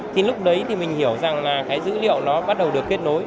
thì lúc đấy thì mình hiểu rằng là cái dữ liệu nó bắt đầu được kết nối